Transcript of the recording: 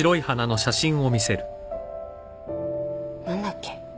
何だっけ？